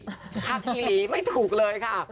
ห๊าคลีรีไม่ถูกเลยค่ะ